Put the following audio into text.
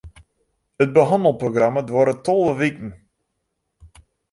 It behannelprogramma duorret tolve wiken.